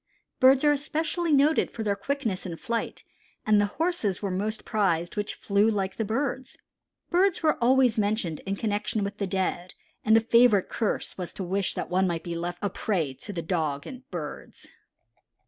Birds are especially noted for their quickness in flight, and the horses were most prized which flew like the birds. Birds were always mentioned in connection with the dead, and a favorite curse was to wish that one might be left a prey to the dogs and birds.